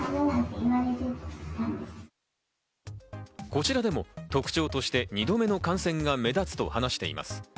こちらでも特徴として２度目の感染が目立つと話しています。